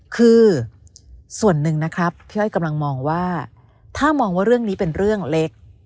คือส่วนหนึ่งนะครับพี่อ้อยกำลังมองว่าถ้ามองว่าเรื่องนี้เป็นเรื่องเล็ก